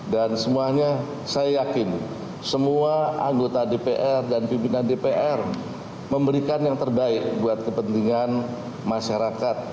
dan semuanya saya yakin semua anggota dpr dan pimpinan dpr memberikan yang terbaik buat kepentingan masyarakat